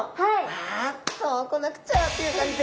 あそう来なくちゃという感じで。